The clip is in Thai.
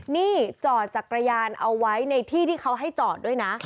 นี่จอดจักรยานเอาไว้ในที่ที่เขาให้จอดด้วยนะ